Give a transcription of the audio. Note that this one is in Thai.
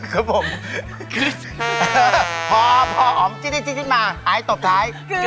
ครับผมพออ๋อมจิ๊ดมาอายตกท้าย